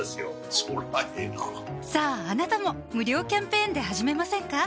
そりゃええなさぁあなたも無料キャンペーンで始めませんか？